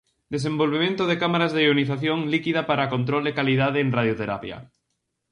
Desenvolvemento de cámaras de ionización líquida para control de calidade en radioterapia.